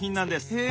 へえ！